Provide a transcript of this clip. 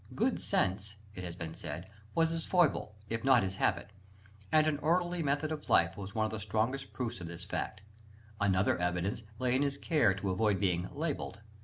"Good sense," it has been said, "was his foible, if not his habit": and an orderly method of life was one of the strongest proofs of this fact: another evidence lay in his care to avoid being labelled.